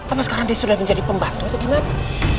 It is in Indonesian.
apa sekarang dia sudah menjadi pembantu atau gimana